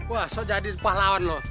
wah so jadi pahlawan lo